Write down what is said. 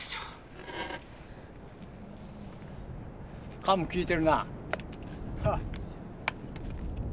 カムきいてるな。